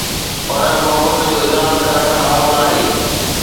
پر محبت جو اظهار ڪرڻ حرام ناهي